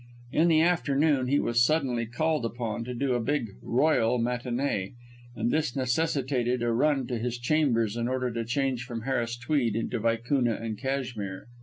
In the afternoon he was suddenly called upon to do a big "royal" matinée, and this necessitated a run to his chambers in order to change from Harris tweed into vicuna and cashmere.